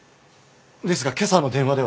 ですが今朝の電話では。